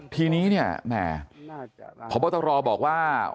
ทีนี้เนี่ยแหมพบตรบอกว่า